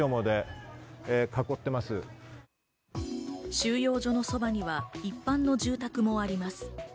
収容所のそばには一般の住宅もあります。